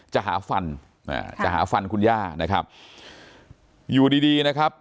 จะหาฟันอ่าจะหาฟันคุณย่านะครับอยู่ดีดีนะครับ